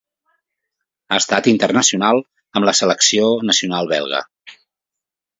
Ha estat internacional amb la selecció nacional belga.